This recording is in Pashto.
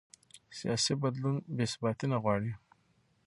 سیاسي بدلون بې ثباتي نه غواړي